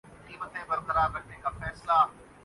اوگرا نے پیٹرولیم مصنوعات کی قیمتوں میں اضافے کی سفارش کردی